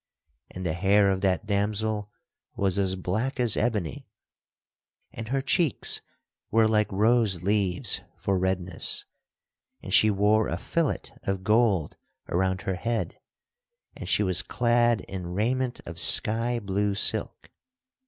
And the hair of that damosel was as black as ebony and her cheeks were like rose leaves for redness, and she wore a fillet of gold around her head, and she was clad in raiment of sky blue silk.